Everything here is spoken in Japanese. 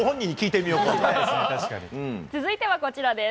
続いてはこちらです。